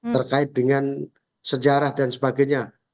terkait dengan sejarah dan sebagainya